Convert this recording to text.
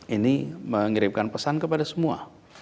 ini mengirimkan pesan kepada semua